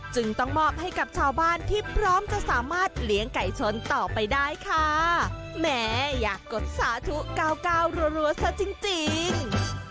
จึงต้องมอบให้กับชาวบ้านที่พร้อมจะสามารถเลี้ยงไก่ชนต่อไปได้ค่ะแหมอยากกดสาธุเก้าเก้ารัวซะจริงจริง